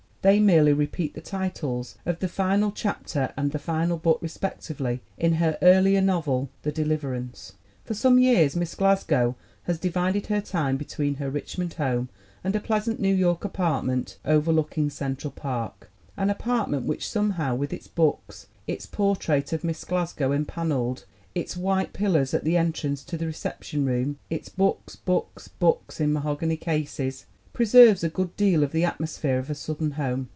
They merely repeat the titles of the final chapter and the final book, respectively, in her earlier novel, The Deliverance. For some years Miss Glasgow has divided her time between her Richmond home and a pleasant New York apartment overlooking Central Park, an apart ment which somehow, with its books, its portrait of Miss Glasgow empaneled, its white pillars at the entrance to the reception room, its books, books, books in mahogany cases, preserves a good deal of the atmosphere of a Southern home.